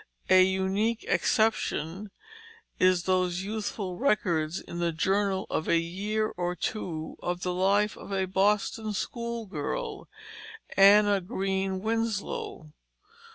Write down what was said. A unique exception in these youthful records is the journal of a year or two of the life of a Boston schoolgirl, Anna Green Winslow.